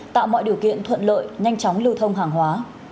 tạo mọi điều kiện thuận lợi nhanh chóng lưu thông hàng hóa